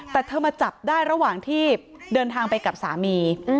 แต่เธอมาจับได้ระหว่างที่เดินทางไปกับสามี